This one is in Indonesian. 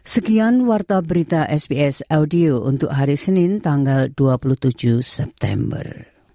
sekian warta berita sps audio untuk hari senin tanggal dua puluh tujuh september